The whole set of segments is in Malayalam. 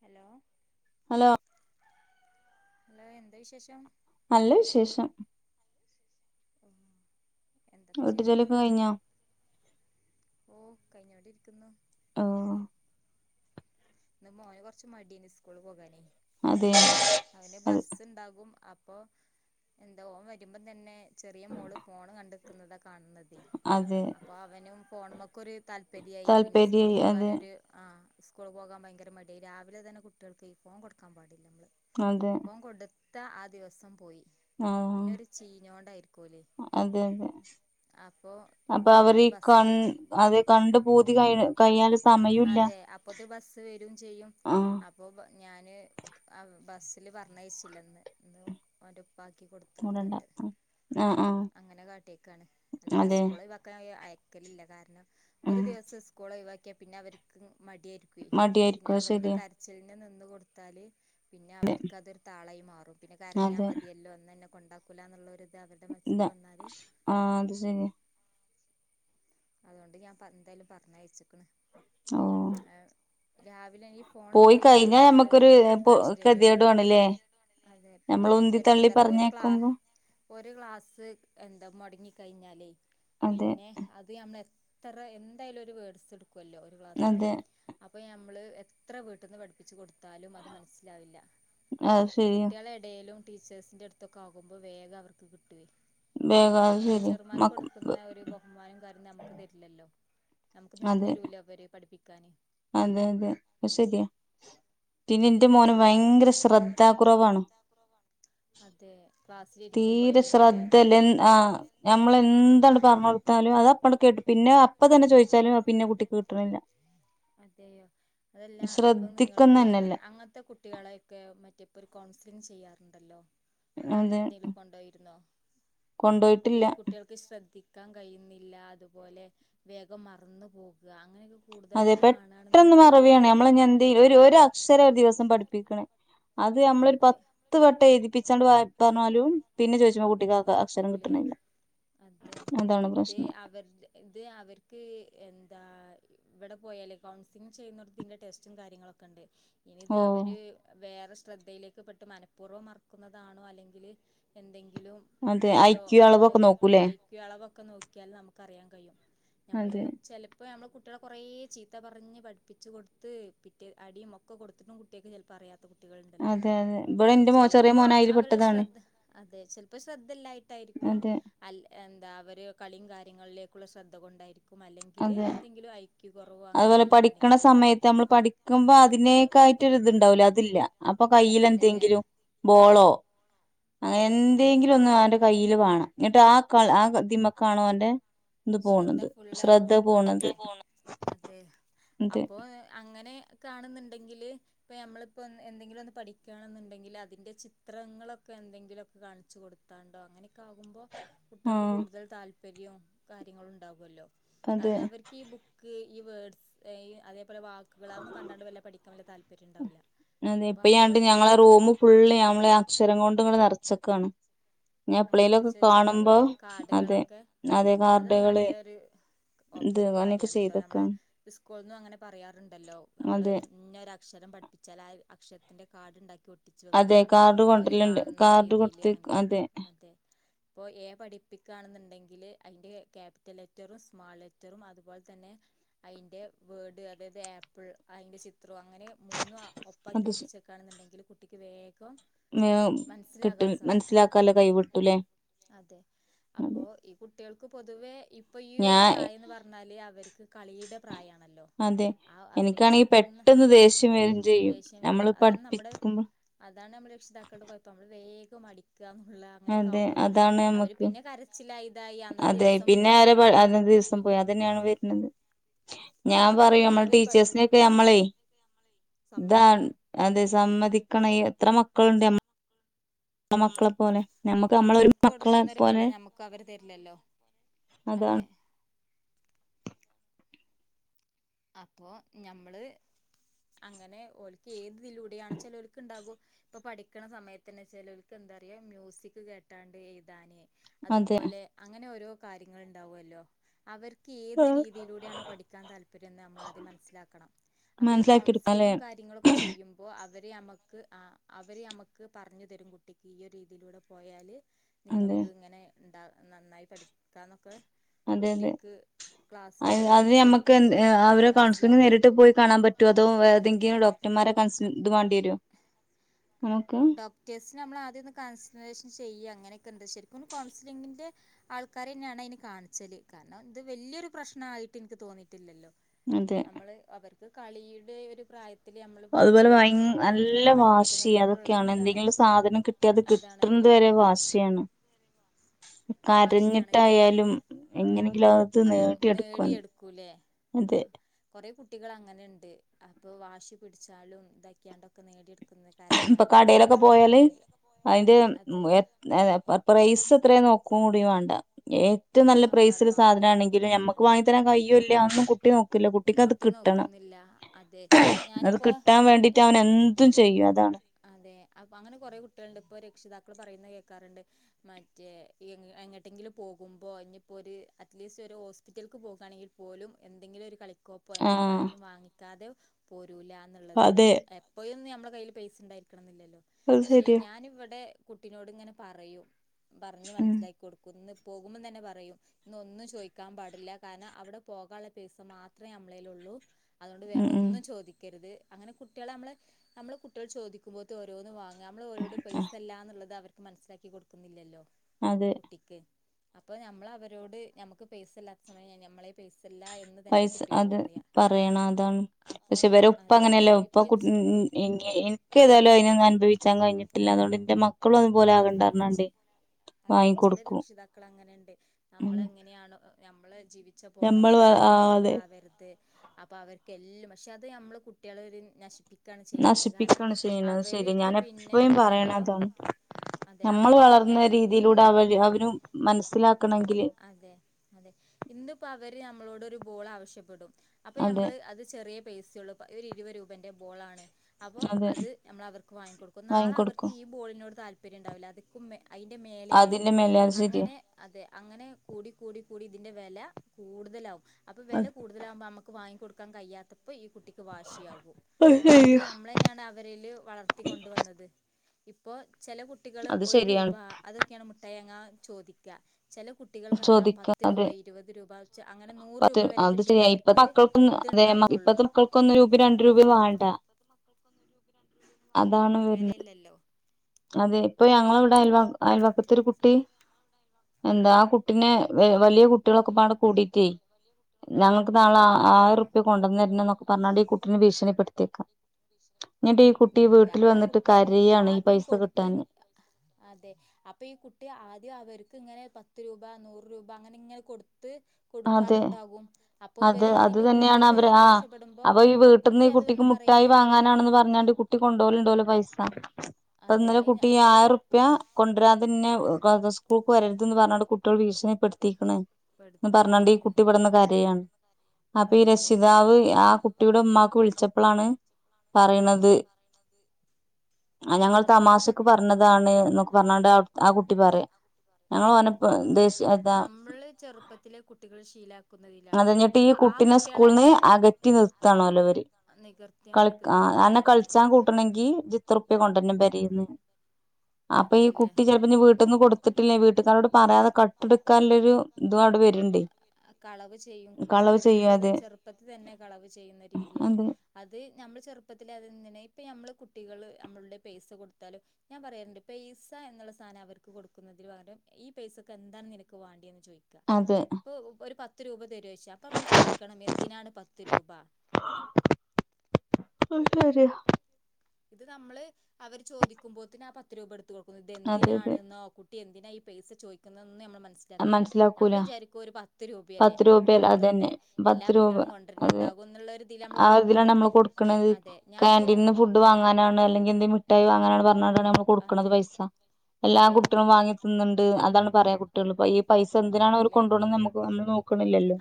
ഹലോ ഹലോ അലോ എന്താ വിശേഷം? നല്ല വിശേഷം. വീട്ടുജോലിഒക്കെ കഴിഞ്ഞോ കൈഞ്ഞാട്ട ഇരിക്കുന്നോ ഇന്ന് മോന് കൊറച്ച് മടടിെ സ്കൂള പോകാനേ അവന് ബസ് ഉണ്ടാകും അപ്പോൊ എന്താ ഓ വരുമ്പോം തന്നെ ചെറിയ മോള് ഫോണ് കണ്ടക്കുന്നതൊക്കെ കാണത അപ്പൊ അവനും ഫോണുമൊക്കെ ഒരു താല്പര്യ ആായി പിന്നെ സ്കൂള് പോകാനൊരു ആ സ്ക [unintelligible] പോകാ ഭയങ്കര മടടിായി രാവിലെ തന്നെ കുട്ടികൾക്ക് ഫോൺ കൊടുക്കാൻ പാു ഫോൺ കൊടുത്ത് ത്ത ആ ദിവസം പോയി ആ അതെതെ അപ്പൊ അവർ കൺ അത് കണ്ട്പ കഴി കഴഞ്ഞ അതെ അപ്പത്തെ ബസ് വരും ചെയ്യും അപ്പൊ ഞാന് അ ബ ഇന്ന് പറഞ്ഞയച്ചില്ല ഓന്റെ ക്കി കൊടുത്ത് എന്നിട്ട് അങ്ങനെ കാട്ടിയക്കാണ് അല്ലാതെ ഈ സ്കൂൾ ഒഴിവാക്കാൻ പക്കലില്ല കാരണം ഒരു ദിവസം സ്കൂൾ ഒഴിവാക്കി പിന്നെ അവർക്ക് മടിയരിക്കൂ പിന്നെ അവരുടെ കരച്ചിലി നി കൊടുത്താല് പിന്നെ അവർക്ക് അതൊരു താളായി മാറും പിന്നെ കരഞ്ഞാ മതിയല്ലോ എന്നന്ന് തന്നെ കൊണ്ടാക്കൂല എന്നുള്ള ഇന്താ ആ അത് ശരിയ അതുകൊണ്ട് ഞാൻ എന്തായാലും പറഞ്ഞയച്ച ആ രാവിലെ ഇ ഫോൺന്ന് പറഞ്ഞാലേ കുട്ടികളെ വേറെ അട്രാക്ഷൻ ചെയ്യുവല്ലോ അത പിന്നെ ഞാൻ വിചാരിച്ച എന്താ പറ ഒരു ക്ലാ ഒരു ഗ്ലാസ്സ് എന്താ മുടങ്ങിക്കഴിഞ്ഞാലേ പിന്നെ അ എത്ര എന്തായാലും ഒരു വേഡ്സ് എടുക്കും ല്ലോ ക്ലാ അപ്പൊ നമ്മ എത്ര വീട്ടന്ന് പഠിപ്പിച്ച് കൊടു ത്താലും അത് മനസ്സിലാവില്ല കുട്ടികള ഇടയിലും ടീച്ചേഴ്സിന്റെ അടുത്തൊക്കെ ആകുമ്പോ വേഗ അവർക്ക് കിട്ടുവേ നമ്മളെ ടീച്ചർമാർക്ക് കൊടുക്കുന്ന ഒരു ബഹുമാനം കാര്യ നമുക്ക് തരില്ലല്ലോ നമുക്ക് നിന്ന് തരൂല്ല അവര് പഠിപ്പിക്കാന് അതെ അതെ ശരിയാ അപ്പൊ ഞാൻ അതെ പ്പ തീരെ ശ്രദ്ധല്ല എൻ ആ നമ്മളെന്താണ്ട് പറഞ്ഞെടുത്താലും അതപ്പണ്ട് കേട്ട് പിന്നെ ഏഹ് അപ്പ തന്നെ ചോയ്ച്ചാല് അതയോ അതല്ല അപ്പൊ നിങ്ങൾക്ക് അങ്ങനത്തെ കുട്ടികളെയൊക്കെ മറ്റേ പെർ കൗൺസിലിംങ്ങ് ചെയ്യാറുണ്ടല്ലോ ങ്ങള് അങ്ങനെ എന്തെലും കൊണ്ടോയിരുന്നോ ഇപ്പ ഈ കുട്ടികൾക്ക് ശ്രദ്ധിക് ക്കാൻ കയ്ന്നില്ല അതുപോലെ വേഗം മറന്നു പോകു ന്ന അങ്ങനൊരു അതെ പെട്ടെന്ന് മറവിയാണ് നമ്മള് ഇനി എന്തെലും ഒര് ഒരക്ഷ് രം ഒരു ദിവസം പഠിപ്പിക്കണ് അത് നമ്മളൊരു പത്ത് വട്ടം എഴ്തിപ്പിച്ചാണ്ട് വായ് പറഞ്ഞാലും പിന്നെ ചോദിച്ച മറക്കൂലേ അതെ ഇതേ അവര് ഇതെ അവർക്ക് എന് ദാ ഇവിടെ പോയാല് കൗൺസിലിംഗ് ചെയ്യുന്നടുത്ത് ഇതിന്റെ ടെസ്റ്റും കാര്യങ്ങളൊക്കെണ്ട് ഇനി ഇത് അവര് വേറെ സ് ശ്രദ്ധയിലേക്ക് പെട്ട് മനപൂർവ്വം മറക്കുന്നതാണോ അല്ലെങ്കില് എന്തെങ്കിലും ഇതുണ്ടോ അത് ഐക്യു അളവൊക്കെ നോക്കിയാൽ നമുക്ക് ക്കറിയാൻ കയ്യും ഞമ്മള് ചെലപ്പ നമ്മള കുട് കുട്ടികള കുറേ ചീത്ത പറഞ്ഞ് പഠപ്പിച്ച് കൊടുത്ത് പിറ്റേ അടിയും ഒക്കെ കൊടുത്തിട്ടും കുട്ടിയോക്ക് ചെലപ്പ അറിയാത് ത്ത കുട്ടികൾളുണ്ടല്ലോ അത് ചെലപ്പോ അവരുടെ ശ്രദ്ധ അതെ ചെല് ശ്രദ്ധ ഇല്ലായിട്ടാരിക്കും അൽ എന്താ അവര് കൽ ളീം കാര്യങ്ങളിലേക്കുള്ള ശ്രദ്ധ കൊണ്ടാരിക്കും അതെ അതുപോലെ പഠിക്കണ സമയത്ത് നമ്മൾ പഠിക്കുമ്പോ അതിനെ ക്കായിട്ടൊരു ഇതുണ്ടാവില്ലേ അതില്ല അപ്പൊ കയ്യില് എന്തെങ്കിലും ബോളോ അങ്ങനെ എന്തെങ്കിലും ഒന്ന് അവന്റെ കയ്യില് വേണം എന്നിട്ട് ആ കൽ ആ ദിമേക്കാണവന്റെ ഇത് പോണത് ൾ അത് കൊടുക്കണേ [unintelligible] അതെയോ അപ്പൊ അങ്ങനെ കാണുന്നുണ്ടങ്കില് പ്പോ നമ്മളിപ്പോ എന്റങ്കിലുലൊന് പഠിക്കനൊന്നുണ്ടങ്കില് അതിന്റെ ചിത്രങ്ങളൊക്കെ എന്തെങ്കിലൊക്കെ കാണിച്ചുകൊടുത്താണ്ട് അങ്ങനൊക്കെ ക്കാകുമ്പോ കുട്ട്യാൾക് കൂടുതൽ താൽ പരിയോ [inaudible] കാര്യങ്ങളുണ്ടാകുവല്ലോ. കാരണം അവർക്ക് ഈ ബുക്ക് ഈ വേർഡ്സ് അതേപോല വാക്കുകുകള അതൊന്നും കണ്ടാണ്ട് വല്ലാതെ പഠിക്കാൻ വല്ലാതെ വല്ല താല്പര്യം അതെ ഇപ്പ ണ്ട് ഞങ്ങളെ റൂം ഫുള്ള് ഞമ്മളെ അക്ഷരം കൊണ്ട് ഡുകൾ നർച്ചക്കാണ്. അങ്ങനെ ഒട്ടിച്ചു വെച്ചിുണ്ടാവല്ലേ കാർ ടുകളൊക്കെ അത് നല്ലരു ഓപ്ഷ കാര്യാണ് ട്ടോ. നമ്മളെ സ്കൂളിന്നും അങ്ങനെ പറയാറുണ്ടല്ലോ നമ്മള് ഇന്ന രു അദ്ധ്യാപ അക്ഷരം പഠപ്പിച്ചാല് ആ അക്ഷരത്തിന്റെ കാർഡ്ണ്ടാക്കി ഒട്ടിച്ചു വെക്ക അവര് കാണുന്ന രീതിയില് അങ്ങനെ അത പ്പോ ഏ പഠിപ്പിക്കുകണെന്നുണ്ടെങ്കിൽഅയിന്റെ ക്യാപിറ്റൽ ലെറ്ററും സ്മാൾ ലെറ്ററും അതുപോലെ തന്നെ അയിന്റെ വേഡ് അതത് ആപ്പിൾ അതിന്റെ ചിത് ത്രോ അങ്ങനെ മൂന്നു ഒപ്പാക്കി ഒട്ടിച്ചക്കാണെന്ന്ണ്ടെങ്കിൽ കുട്ടിക്ക് വേ.... ന് കിട്ടും മനസിലാക്കാല്ലെ അതെ അപ്പൊ ഈ കു കുട്ടേൾക്കു പൊതുവേ ഇപ്പോ ഈ ഒരുപ്രായന്ന് പറഞ്ഞാല് അ കളീടെ പ്രായാണല്ലോ. ആ അവര് കളിക്കുന്ന ദേഷ്യംവരും അതാണ് നമ്മുടെ അതാണ് നമ്മളെ രക്ഷിതാക്കൾടെ കുഴപ്പം നമ്മള് വേ ഗം അടിക്കാം ള്ഹാ ങ്ങനെയൊക്കെആകുന്പോത്തിന്ന് അവര് പിന്നെ കരച്ചിലയി [unintelligible] അതെ പിന്നെ ആരെ അന്നത്ത ദിവസം പോയി അതന്നെയാണ് വരുന്നത് ഞാൻ പറയു നമ്മൾ ടീച്ചേഴ്സിനൊക്കെ നമ്മളെ [inaudible] താ അതെ സമ്മതിക്ക ണെയ് എത്ര മക്കള്ണ്ട് നം തെ ഈ ടീച്ചർക്ക് കൊടുക്കുന്നൊരു വില ഞമ്മക്ക് അവര് തരിലല്ലോ അതെ അപ്പൊ ഞമ്മള് അങ്ങനെ ഓൽക് ഏത് ഇതിലൂടെയാണ് ചിലൽക്ക് ഇണ്ടാകും ഇപ്പൊ പഠിക്കണ സമയത്ത് തന്നെ ചെലൽക്കു എന്താ അറിയ മ്യൂസിക് കേട്ടാണ്ട് എയുതാന് അതുപോലെ അങ്ങനെ ഓരോ കാര്യങ്ങളുണ്ടാവല്ലോ അവര് ഏത് രീതിയിലൂടെണോ പഠിക്കാൻതാല്പര്യം അതെന്നെ നമ്മളാദ്യം മനസിലാക്കണം. അപ്പോ ഈ കൗൺസ് ലിങ്ങും കാര്യങ്ങളൊക്കെ ചെയ്യുമ്പോ അവ അവര് ഞമ്മക്ക് ആഹ് അവര് ഞമ്മക്ക് പറഞ്ഞു തരും കുട്ടിക്ക് ഈ രീതിയിലൂടെ പോയാൽ നിങ്ങൾക്ക് ങ്ങനെ ണ്ടാ നന്നായി പഠിക്കാന്നൊക്കെ കുട്ടിക്ക് ക്ലാസ്സൊക്കെ എട്ത്തു കൊ ക്കെ എന്ത് അവരെ കൗൺസിലിങ്ങ് നേരിട്ട് പോയി കാണാൻ പറ്റോ അതോ ഏതെങ്കിലും ഡോക്ടർമാ രെ കൺസൽ ത് വാണ്ടേയ്രോ ഡോക്ടേഴ്സിനെ നമ്മള് ആദ്യൊന്ന് കൺസലേഷൻ ചെയ്യാ അങ്ങനെ ത്ത്ണ്ട് ശെരിക്കിനും കൗൺസിലിങ്ങിന്റെ ആൾക്കാരെന്നേണ് അയ്ന് കാണിച്ചല്. കാരണം ഇത് വെല്ല്യോര് പ്രശ്നായിറ്റ് ഇൻക്ക് തോന്നീട്ടില്ലല്ലോ. നമ്മള് അവർ കളീടെ ഒരു പ്രായത് അത്പോലെ ഭയങ് നല്ല വാശിയാ അത് ക്കാണ്. എന്തെങ്കിലും സാധനം കിട്ട്യാ അത് കിട്ട്ണത് വരെ വാശ്യാണ്. കരഞ്ഞ്ട്ടായാലും എങ്ങനെങ്കിലൊ അതും നേടി എട്ക്കൂല്ലേ? ആഹ് കൊറേ കുട്ടികള് അങ്ങനേണ്ട്. അപ്പൊ വാശി പിടിച്ചാലും ഇതാക്ക്യാണ്ടൊക്കെ നേടിയെട് ഇപ്പ കടേലൊക്കെ പോയാല് അയിന്റെ മ്മ് പ്രൈസ് എത്രെ നോക്കും കൂടി വാണ്ട ഏറ്റവും നല്ല പ്രൈസില്ലെ സാധനാണെങ്കിലും ഞമ്മക്ക് വാങ്ങിത്തരാൻ കയ്യൂൽ ല്ല അതൊന്നും കുട്ടി നോക് ക്കില്ല കുട്ടിക്കത് കിട്ടണം. അത് കിട്ടാൻ വേണ്ടീട്ട് അവൻ എന്തും ചെയ്യും. അതെ അപ്പ അങ്ങനെ കൊറേ കുട്ട്യാള്ണ്ട് ഇപ്പൊ രക്ഷിതാക്കള് പറയുന്ന കേക് ക്കാറ്ണ്ട് മറ്റേ എങ്ങട്ടെങ്കിലും പോകുമ്പോൾ ഞ്ഞിപ്പോര് അറ്റ്ലീസ്‌റ്റോര് ഹോസ്പിറ്റൽക്ക് പോകാണെങ്കിൽ പോലും എന്തെങ്കിലൊര് കളിപ് കളിക്കൊപ്പോ എന്തേലും കാര്യം വാങ്ങിക്കാതെ പോ രൂലാന്ന്ള്ളത്. എപ്പൊയു ഒന്ന് ഞമ്മള കയ്യില് പൈസണ്ടായിര്ക്കണന്നില്ലല്ലോ. പക്ഷെ ഞാനിവടെ കുട്ടിനോട് ങ്ങനെ പറയും. പറഞ്ഞ് മനസ്സിലാക്കി കൊട്ക്കും. ഇന്ന് പോകുമ്പം തന്നെ പറയും, ഇന്നൊന്നും ചോയിക്കാൻ പാടില്ല കാരണം അവടെ പോകാള്ള പൈസ മാത് ത്രേ ഞമ്മളേലൊള്ളൂ. അതുകൊണ്ട് വേറെ ഒന്നും ചോദിക്കരുത് അങ്ങനെ കുട്ടികളെ നമ്മള് നമ്മള് കുട്ടികൾ ചോദിക്കുമ്പോത്ത് ഓരോന്നും വാങ്ങ നമ്മള് ഓരോട് പൈസല്ല എന്നുള്ളത് അവർ മനസിലാക്കി കൊടുക്കുന്നില്ലല്ലോ? കുട്ടിക്കേ അപ്പൊ ഞമ്മളവരോട് ഞമ്മക്ക് പൈസല്ലാത്ത സമയം ഞമ്മളേ പൈസ് ല്ല എന്ന് തന്നെ കുട് അത് പറയണം അതാണ് പക്ഷെവരെ ഉപ്പ അങ്ങനെയല്ലേ ഉപ്പ എനിക്ക് ഏതായാലും അതിനൊന്നും അനുഭവിഛാൻ കഴിഞിട്ടില്ല, അതുകൊണ്ട്ന്റെ മക്കളും ആ അതെ ചില രക്ഷിതാക്കൾ അങ്ങനെുണ്ട് നമ്മൾ എങ്ങനെയാണോ നമ്മള ജീവി ഉച്ച പോന്ന മാതിരി നമ്മളെ കുട്ടികളാവരുത് അപ്പൊ അവർക്കെല്ലാം പക്ഷെ അത് നമ്മള് കുട്ടികളെ ഒരു നശി നശിപ്പിക്കണം ചെയ്യത് ശരി ഞാൻ എപ്പഴും പറയണ അതാണ്. നമ്മൾ വളർന്ന രീതിയിലൂടെ അവ അവരും മനസ്സിൽ അതെ അതെ ഇന്ന് പക ര് നമ്മളോടൊ ഒരു ബോൾ ആവശ്യപ്പെടും അപ്പൊ നമ്മള് അത് ചെറിയ പൈസയുള്ളൂ ഇരുപത് രൂപ ന്റെ ബോൾ ആണ് അപ്പൊ അത് നമ്മൾ അവർക്ക് വാങ്ങി കൊടുക്കും. നാളെ അവർക്ക് ഈ ബോളിനോട് താല്പര്യ ഉണ്ടാവില്ല അത്ക്കും മേ അതിൻ്റെ മേലെയായിരിക്കും അങ്ങനെ അതെ അങ്ങനെ കൂടി കൂടി കൂടി ഇതിന്റെ വില കൂടുതലാവും അപ്പൊ വെല കൂതലാവുമ്പോ നമമക്ക് വാങ്ങിക്കൊടു കഴിയാത്തപ്പോ ഈ കുട്ടി വാശിയാകും കാരണം ഇത് നമ്മളെന്നെയാണ് അവരിൽ വളർത്തിക്കൊൺട് വന്നത് ഇപ്പോ ചെല കുട്ടികള് ഒരു രൂപ അതൊക്കെയാണ് മുട്ടായാങ്ങാൻ ചോദിക്ക ചില കുട്ടികൾ കാണാം പത്ത് രൂപ ഇരുപത് രൂപ അങ്ങനെ നൂറ രൂപ വരെ കിട്ടിയാലേ അവർക്കൊരു ഇത്ണ്ടാകുള്ളൂ [unintelligible] വിലയില്ലല്ലോ അതെ ഇപ്പൊ ഞങ്ങള ഇവിടെ അയ അയൽവക്കത്തൊരു കുട്ടി, എന്താ ആ കുട്ടിനെ വലിയ കുട്ടികളൊക്കെ പാടെ കൂടീട്ടേ ഞങ്ങ നാളെ ആയിറുപ്യ കൊണ്ടന്നർനം എന്നൊക്ക പറഞ്ഞ് ഈ കുട്ടിനെ ഭീഷണി പെടുത്തിയേക്കാം. ന്ന്ട്ട് ഈ കുട്ടി വീട്ടിൽ വന്നിട്ട് കര യാണ് ഈ പൈസ കൊടുത്ത് അതെ അപ്പൊ ഈ കുട്ടി ആദ്യം അവര് ക്ക് ഇങ്ങനെ പത്ത് രൂപ, നൂറ് രൂപ അങ്ങനെ ഇങ്ങനെ കൊടു ത്ത് കൊടുക്കാറുണ്ടാവും അപ്പൊ ഇവര് ഇതിന്റെ കൂടുതൽ പൈസ ആവശ്യപ്പെടുമ്പോ കുട്ടി അത് വന്ന് പറയാണ്. പറഞ്ഞാണ്ട് കുട്ടി കൊണ്ടോവലുണ്ടോലൊ പൈസ അപ്പ ഇന്നലെ കുട്ടി ആയിറുപ്യ കൊണ്ടരാതെന്നെ [unintelligible] സ്കൂൾക്ക് വരരുത് ന്ന്പറഞ്ഞാണ്ട് കുട്ടികൾ ഭീഷണിപ്പെടുത്തീക്ക് ണ് പറഞ്ഞാണ്ട് ഈ കുട്ടിഇവടന്ന് കാരയാ ണ് അപ്പൊ ഈ രക്ഷിതാവ് ആ കുട്ടിയുടെ ഉമ്മാക്ക് വിളിച്ചപ്പ ളാണ് പറയണനത് ആ ഞങ്ങൾ തമാശക്ക് പറഞ്ഞതാണ് ന്നൊക്കെ പറഞ്ഞാണ്ട് ആ കുട്ടി പറയാ ഞങ്ങൾ ഓനപ്പ ദെഷ് ചെറുപ്പത്തിലെ കുട്ടികൾ ശീലാക്ക അതഞ്ഞിട്ട് ഈ കുട്ടിനെ സ്കൂളിന്ന് അകറ്റി നിർത്തണല്ലോ ഇ വര് കളിച്ച്ചാ ൻകൂട്ടാണെങ്കിൽ ആ ജ്ജിത്രറുപ്പിയാ കൊണ്ട് വരണം പെരീന്ന് ലോ [unintelligible] അപ്പൊ ഈ കുട്ടി ചിലപ്പോ വീട്ടി ന്നും കൊടുത്തിട്ടില്ലേ വീട്ടുകാരോട് പറയാതെ കട്ടെടുക്കാനുള്ള ഒരു ഇതും അവിടെ വരുണ്ടേ കളവ് ചെയ്യും കുട്ടികൾ ഇപ്പ തെ ചെറുപ്പത്തിൽ തന്നെ കളവ് ചെയ്യുന്ന രീതിയാകും അത് നമ്മള് ചെറുപ്പത്തി അത്ങ്ങനെ ഇപ്പ നമ്മള് കുട്ടികള് നമ്മളുടെ പൈസ കൊടുത്താലും ഞാൻ പറയാറുണ്ട് പൈസ എന്നുള്ള സാധനം അവർക്ക് കൊടുക്കുന്നതിന് പകരം ഈ പൈസക്ക് എന്താണ് നിനക്ക് വാ ണ്ടിയ ചോയിക്ക ഇപ്പൊ ഒരു പത്തു പത്ത് രൂപ തരോഴ്ച അപ്പ നമ്മൾ ചോദിക്കണം എന്തിനാണ് പത്ത് രൂപ അ അത് ശരിയാ ഇത് നമ്മള് അവര് ചോദിക്കുമ്പോത്തി ന് ആ പത്ത് രൂപ എടുക്കും കൊടുക്കും ഇതെന്തിനാണ് ന്നോ കുട്ടി എ ന്തിനാ ഈ പൈസ ചോയിക്കുന്നത് നൊന്നും മനസ്സി മനസ്സിലാക്കില്ല നമ്മൾ വിചാരിക്കൊ ഒരുപത്ത് പത്ത് രൂപയല്ലേ ആ കുട്ടിട് ത്തോട്ടെ എല്ലാ കുട്ടികളും കൊണ്ടാരുണു ണ്ടാകും എന്നുള്ള ര് തിയിൽ നമ്മള് കൊടുക്കും അതെ ഞാപ്പൊ ആണ് അല്ലെങ്കി എ ന്തേ മിട്ടായി വാങ്ങാനാണ് പറ ന്നതാണ് നമ്മള് കൊടുക്കണനത് പൈസ എല്ലാ കുട്ടിയെ ളും വാങ്ങി തിന്നണ്ട് അതാണ് പറയാ ട്ടോളൂ പയ്യി [unintelligible] പൈസ ന്തിനാണ് അവ ര് കൊണ്ടോ ണ് നമുക്ക്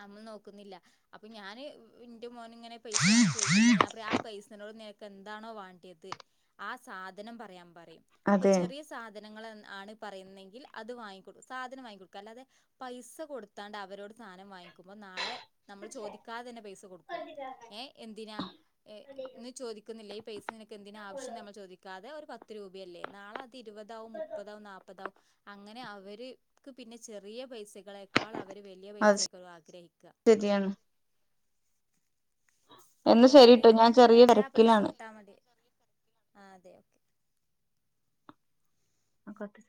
നമ്മള് നോക്കുന്നില്ല അപ്പൊ ഞാന് എന്റെ മോന് പൈസ വാണം ചോയിക്കുമ്പോ ഞാ പറി ആ പൈസനോട് നെ എന്താണോ വാ ണ്ടിയത് ആ സാധനം പറയാൻ പറി അപ്പൊ ചെറി യ സാദ സാധനങ്ങളാണ് പറയുന്നെങ്കിൽ അത് വാങ്ങിക്കൊട് സാധനം വാങ്ങിക്കൊട് അ ല്ലാതെ പൈസ കൊടുത്താണ്ട് അവരോട് സാധനം വാങ്ങിക്ക നാളെ നമ്മൾ ചോദിക്കാതെ തന്നെ പൈസ കൊടുക്കും ഏ എന്തിനാ എ ചോദിക്കുന്നില്ലേ ഈ പൈസ പ. നിനക്ക് എന്തിന ആവശ്യം ചോദിക്കാതെ പത്ത് രൂപയല്ലേ നാളെ ഇരുപതാവും, മുപ്പതാവും നാൽപതവും അങ്ങനെ അവര് പിന്നെ ചെറിയ പൈസ നമ്മളെക്കാൾ അവര് വലിയ പൈസ്സായിരിക്കും ആഗ്രഹിക്കുക അപ്പൊ അത് പിന്നെ അവരാ പൈസ കിട്ടാൻ വേണ്ടി ആ അതെ ഓക്കേ [unintelligible]